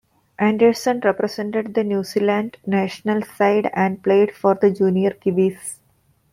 Anderson represented the New Zealand national side and played for the Junior Kiwis.